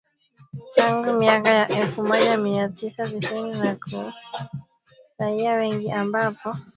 Tangu miaka ya elfu moja mia tisa tisini na kuua raia wengi ambapo wengi wao ni katika mashambulizi ya usiku wa manane yaliyofanywa kwa kutumia mapanga na mashoka